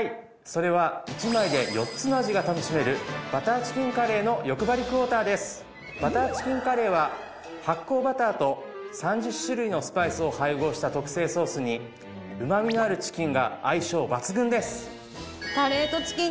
それは１枚で４つの味が楽しめるバターチキンカレーは発酵バターと３０種類のスパイスを配合した特製ソースにうまみのあるチキンが相性抜群です。